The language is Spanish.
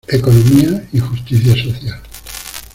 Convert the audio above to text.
Economía y justicia social.